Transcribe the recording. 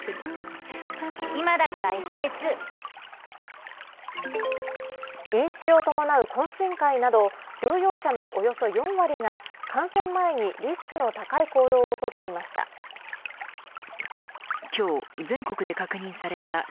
ＪＴ飲酒を伴う懇親会など療養者のおよそ４割が感染前にリスクの高い行動を取っていました。